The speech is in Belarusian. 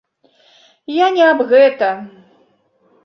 Я не аб гэта.